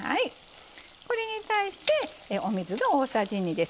これに対してお水が大さじ２です。